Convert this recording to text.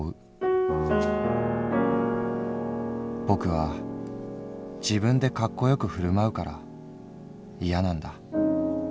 ぼくは自分でカッコよく振るまうから嫌なんだ。